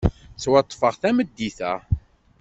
Ttwaṭṭfeɣ tameddit-a.